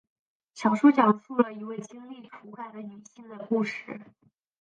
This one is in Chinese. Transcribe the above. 小说讲述了一位经历了土改的女性的故事。